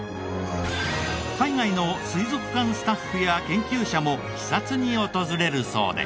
海外の水族館スタッフや研究者も視察に訪れるそうで。